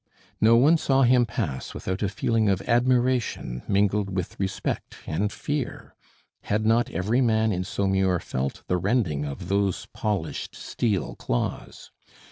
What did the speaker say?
No one saw him pass without a feeling of admiration mingled with respect and fear; had not every man in Saumur felt the rending of those polished steel claws?